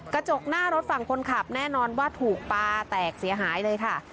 กระจกหน้ารถฝั่งคนขับแน่นอนว่าถูกปลาแตกเสียหายเลยค่ะ